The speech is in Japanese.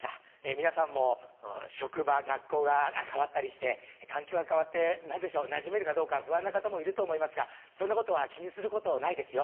皆さんも職場学校が変わったりして環境が変わってなじめるかどうか不安な方もいると思いますがそんなことは気にすることないですよ。